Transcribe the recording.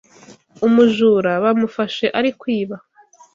Umujura bamufashe arikwiba